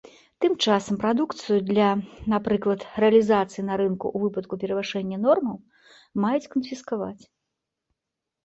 Тым часам прадукцыю для, напрыклад, рэалізацыі на рынку ў выпадку перавышэння нормаў маюць канфіскаваць.